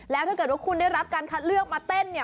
แล้วถ้าเกิดว่าคุณได้รับการคัดเลือกมาเต้นเนี่ย